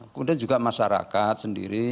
kemudian juga masyarakat sendiri